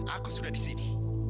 aku sudah di sini